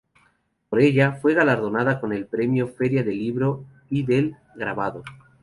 Por ella, fue galardonada con el Premio Feria del Libro y del Grabado.